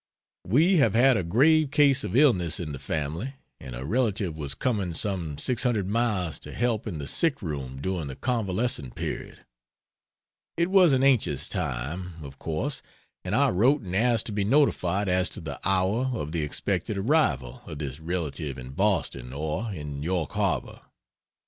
We have had a grave case of illness in the family, and a relative was coming some six hundred miles to help in the sick room during the convalescing period. It was an anxious time, of course, and I wrote and asked to be notified as to the hour of the expected arrival of this relative in Boston or in York Harbor.